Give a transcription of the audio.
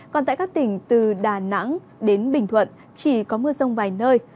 còn tại các tỉnh từ đà nẵng đến bình thuận chỉ có mưa rông vài nơi